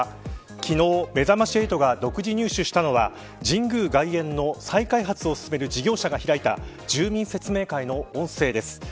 昨日めざまし８が独自入手したのは神宮外苑の再開発を進める事業者が開いた住民説明会の音声です。